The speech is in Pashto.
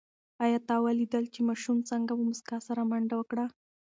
آیا تا ولیدل چې ماشوم څنګه په موسکا سره منډه کړه؟